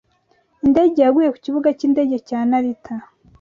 Indege yaguye ku Kibuga cy'indege cya Narita.